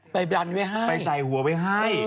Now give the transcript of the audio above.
ดันไว้ให้ไปใส่หัวไว้ให้